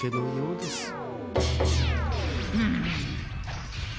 うん。